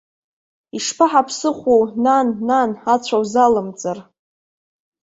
Ишԥаҳаԥсыхәоу, нан, нан, ацәа узалымҵыр?